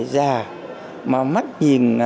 già mà mắt nhìn